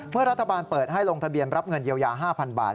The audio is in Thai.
รัฐบาลเปิดให้ลงทะเบียนรับเงินเยียวยา๕๐๐บาท